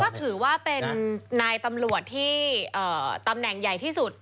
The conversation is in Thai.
ก็ถือว่าเป็นนายตำรวจที่ตำแหน่งใหญ่ที่สุด